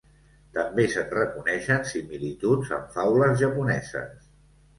També se'n reconeixen similituds amb faules japoneses.